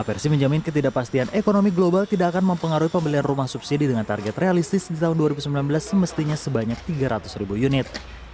persi menjamin ketidakpastian ekonomi global tidak akan mempengaruhi pembelian rumah subsidi dengan target realistis di tahun dua ribu sembilan belas semestinya sebanyak tiga ratus ribu unit